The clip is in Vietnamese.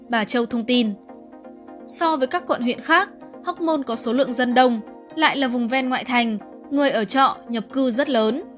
bà châu thông tin so với các quận huyện khác hóc môn có số lượng dân đông lại là vùng ven ngoại thành người ở trọ nhập cư rất lớn